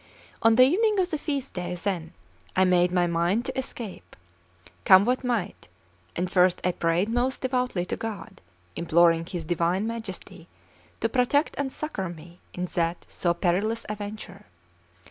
On the evening of that feast day, then, I made my mind up to escape, come what might; and first I prayed most devoutly to God, imploring His Divine Majesty to protect and succour me in that so perilous a venture.